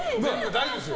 大丈夫ですよ。